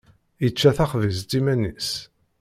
Yečča taxbizt iman-is.